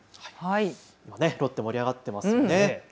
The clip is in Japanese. ロッテ盛り上がっていますよね。